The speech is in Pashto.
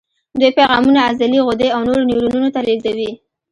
دوی پیغامونه عضلې، غدې او نورو نیورونونو ته لېږدوي.